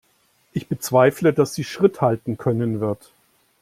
Ich bezweifle, dass sie Schritt halten können wird.